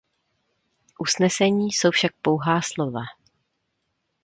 Usnesení jsou však pouhá slova.